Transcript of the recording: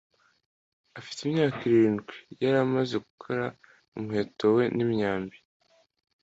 Afite imyaka irindwi, yari amaze gukora umuheto we n'imyambi.